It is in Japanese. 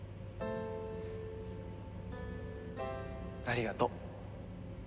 ありがとう。